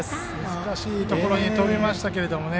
難しいところに飛びましたけどね。